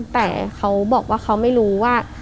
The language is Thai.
แต่เขาบอกว่าเขาไม่รู้ว่า